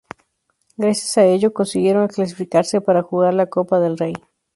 Gracias a ello, consiguieron clasificarse para jugar la Copa del Rey.